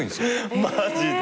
マジで？